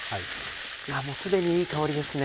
もう既にいい香りですね。